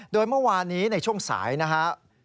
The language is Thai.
โดยเมื่อวานนี้ในช่วงสายนะครับ